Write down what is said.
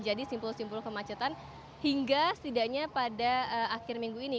jadi simpul simpul kemacetan hingga setidaknya pada akhir minggu ini